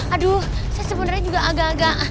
aduh saya sebenarnya juga agak agak